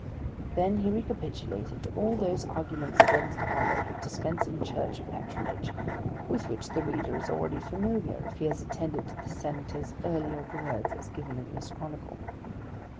Then he recapitulated all those arguments against our mode of dispensing church patronage with which the reader is already familiar if he has attended to the Senator's earlier words as given in this chronicle.